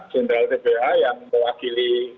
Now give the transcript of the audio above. jenderal tph yang mewakili